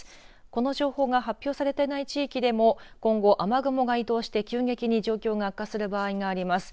この情報が発表されてない地域でも今後、雨雲が移動して急激に状況が悪化する場合があります。